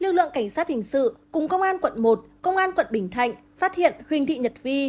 lực lượng cảnh sát hình sự cùng công an quận một công an quận bình thạnh phát hiện huỳnh thị nhật vi